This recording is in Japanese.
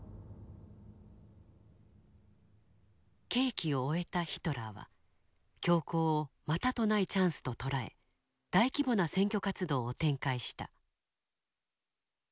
刑期を終えたヒトラーは恐慌をまたとないチャンスと捉え大規模な選挙活動を展開した。